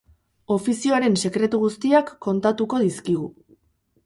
Ofizioaren sekretu guztiak kontatu dizkigu.